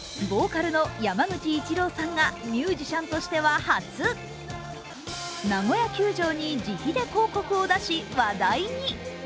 ボーカルの山口一郎さんがミュージシャンとしては初、ナゴヤ球場に自費で広告を出し、話題に。